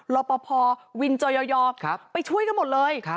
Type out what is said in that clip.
รอปภวินจอยไปช่วยกันหมดเลย